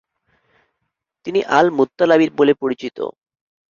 তিনি আল-মুত্তালাবী বলে পরিচিত ।